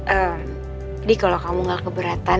ehm di kalau kamu gak keberatan